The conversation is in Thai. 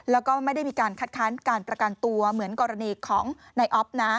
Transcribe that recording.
แล้วก็ไม่ได้มีการคัดค้านการประกันตัวเหมือนกรณีของนายอ๊อฟนะ